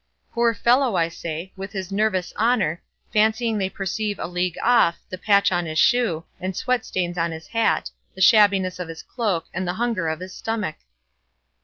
Poor fellow, I say, with his nervous honour, fancying they perceive a league off the patch on his shoe, the sweat stains on his hat, the shabbiness of his cloak, and the hunger of his stomach!"